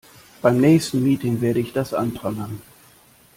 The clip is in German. Beim nächsten Meeting werde ich das anprangern.